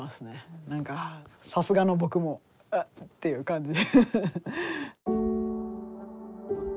何かさすがのボクも「あっ」っていう感じ。